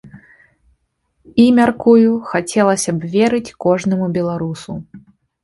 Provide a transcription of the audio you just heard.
І, мяркую, хацелася б верыць кожнаму беларусу.